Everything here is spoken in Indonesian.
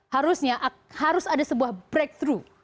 harusnya harus ada sebuah breakthrough